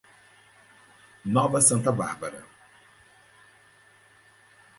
Nova Santa Bárbara